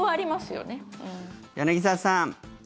柳澤さん。